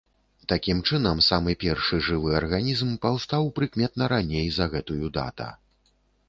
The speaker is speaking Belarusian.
Такім чынам, самы першы жывы арганізм паўстаў прыкметна раней за гэтую дата.